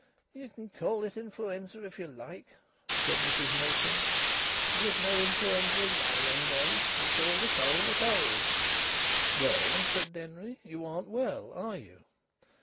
"Ye can call it influenza if ye like," said Mrs Machin. "There was no influenza in my young days. We called a cold a cold." "Well," said Denry, "you aren't well, are you?"